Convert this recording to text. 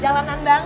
jalanan banget nih